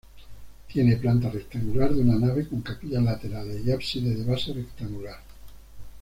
Tiene planta rectangular de una nave con capillas laterales y ábside de base rectangular.